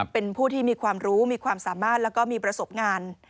เป็นผู้ที่มีความรู้มีความสามารถแล้วก็มีประสบงาน